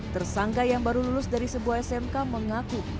tersangka yang baru lulus dari sebuah smk mengaku